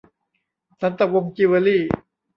สันตะวงศ์จิวเวลรี่